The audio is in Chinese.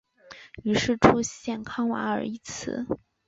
于是出现康瓦尔一词。